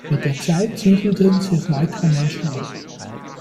Mit der Zeit siedelten sich weitere Menschen an.